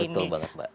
betul banget mbak